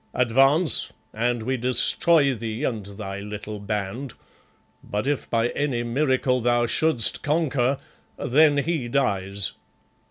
Advance, and we destroy thee and thy little band; but if by any miracle thou shouldst conquer, then he dies.